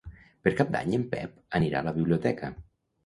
Per Cap d'Any en Pep anirà a la biblioteca.